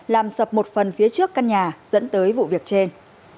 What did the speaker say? làm sập một phần phía trước căn nhà dẫn tới vụ việc trên